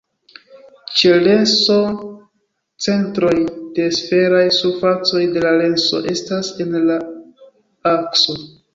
Ĉe lenso centroj de sferaj surfacoj de la lenso estas en la akso.